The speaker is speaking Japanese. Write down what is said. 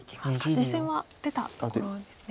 実戦は出たところですね。